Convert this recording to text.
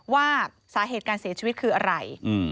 ว่าสาเหตุการเสียชีวิตคืออะไร